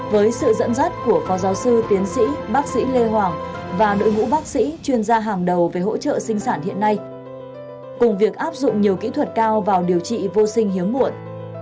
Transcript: với sự dẫn dắt của phó giáo sư tiến sĩ bác sĩ lê hoàng và đội ngũ bác sĩ chuyên gia hàng đầu về hỗ trợ sinh sản hiện nay cùng việc áp dụng nhiều kỹ thuật cao vào điều trị vô sinh hiếm muộn